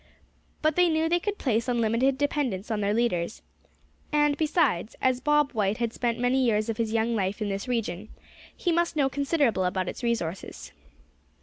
But they knew they could place unlimited dependence on their leaders; and besides, as Bob White had spent many years of his young life in this region, he must know considerable about its resources.